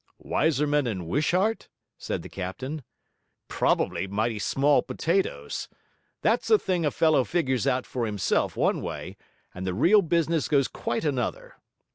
'Wiseman and Wishart?' said the captain. 'Probably mighty small potatoes. That's a thing a fellow figures out for himself one way, and the real business goes quite another.